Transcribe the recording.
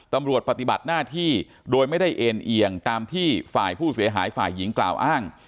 ปฏิบัติหน้าที่โดยไม่ได้เอ็นเอียงตามที่ฝ่ายผู้เสียหายฝ่ายหญิงกล่าวอ้าง